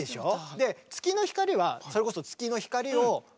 で「月の光」はそれこそ月の光を。